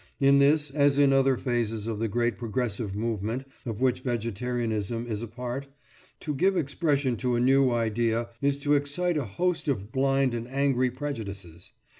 In this, as in other phases of the great progressive movement of which vegetarianism is a part, to give expression to a new idea is to excite a host of blind and angry prejudices.